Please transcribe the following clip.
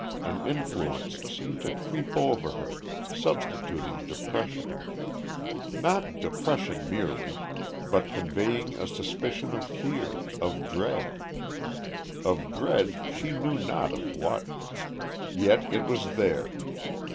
An influence seemed to creep over her, substituting depression; not depression merely, but conveying a suspicion of fear of dread. Of dread she knew not of what. Yet it was there.